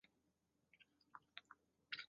佐佐木节子是一名日本前排球运动员。